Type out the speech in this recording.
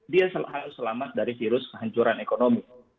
dia harus selamat dari virus kehancuran ekonomi